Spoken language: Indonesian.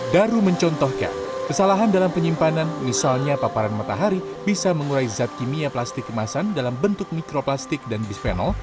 daru mencontohkan kesalahan dalam penyimpanan misalnya paparan matahari bisa mengurai zat kimia plastik kemasan dalam bentuk mikroplastik dan bisphenol